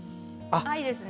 いいですね。